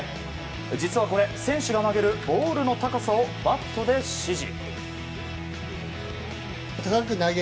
実は、これ選手が投げるボールの高さをバットで指示。